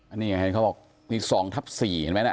อันนี้เห็นเขาบอกอันนี้๒๔เห็นไหมนะ